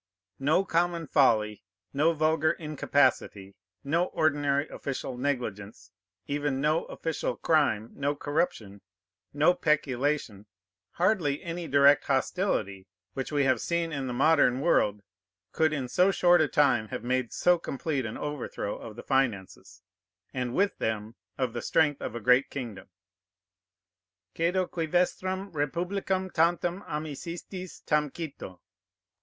No common folly, no vulgar incapacity, no ordinary official negligence, even no official crime, no corruption, no peculation, hardly any direct hostility, which we have seen in the modern world, could in so short a time have made so complete an overthrow of the finances, and, with them, of the strength of a great kingdom. _Cedo quî vestram rempublicam tantam amisistis tam cito?